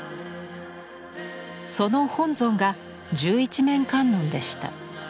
その本尊が十一面観音でした。